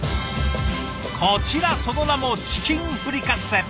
こちらその名もチキンフリカッセ。